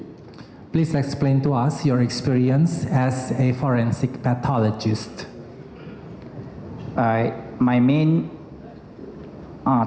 silahkan jelaskan kepada kami pengalaman anda sebagai seorang